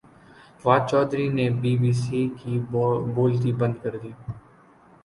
فواد چوہدری نے B B C کی بولتی بند کردی